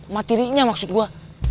mati rinya maksud gue